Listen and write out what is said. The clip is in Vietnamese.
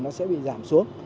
nó sẽ bị giảm xuống